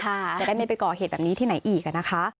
จะได้ไม่ไปก่อเหตุแบบนี้ที่ไหนอีกนะคะ